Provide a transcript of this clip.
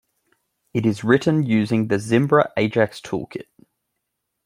It is written using the Zimbra Ajax Toolkit.